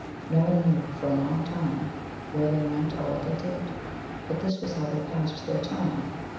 No one knew for a long time where they went or what they did. But this was how they passed their time.